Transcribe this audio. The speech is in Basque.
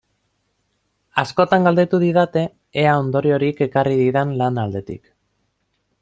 Askotan galdetu didate ea ondoriorik ekarri didan lan aldetik.